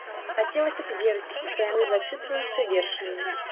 Хацелася б верыць, што яны зачытваюцца вершамі.